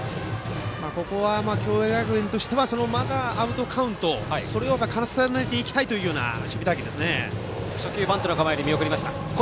ここは共栄学園としてはそのままアウトカウントを重ねていきたいという守備隊形。